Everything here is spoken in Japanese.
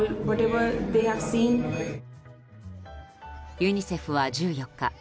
ユニセフは１４日